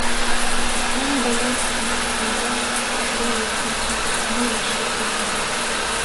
پێم دەڵێن: مەحبووبە خێل و قیچە، مەیلی شەڕ دەکا